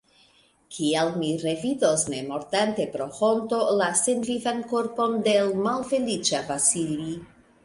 Kiel mi revidos, ne mortante pro honto, la senvivan korpon de l' malfeliĉa Vasili?